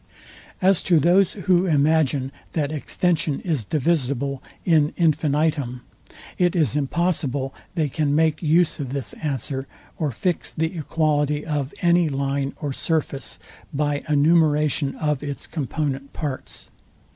As to those, who imagine, that extension is divisible in infinitum, it is impossible they can make use of this answer, or fix the equality of any line or surface by a numeration of its component parts.